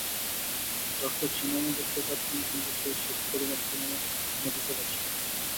দর্শক সিনেমা দেখতে চাচ্ছেন কিন্তু সেই পরিমাণ সিনেমা আমরা দিতে পারছি না।